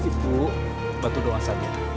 ibu bantu doang saja